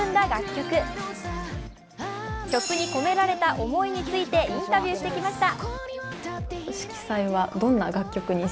曲に込められた思いについてインタビューしてきました。